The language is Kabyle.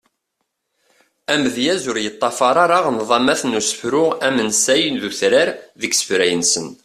Amedyaz ur yeṭṭafar ara nḍamat n usefru amensay d utrar deg isefra-nsen.